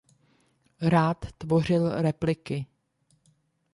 Rád tvořil repliky.